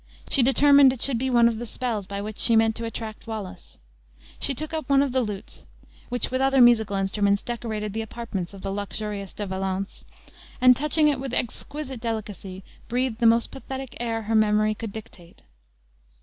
She determined it should be once of the spells by which she meant to attract Wallace. She took up one of the lutes (which with other musical instruments decorated the apartments of the luxurious De Valence), and touching it with exquisite delicacy, breathed the most pathetic air her memory could dictate.